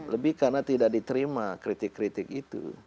lebih karena tidak diterima kritik kritik itu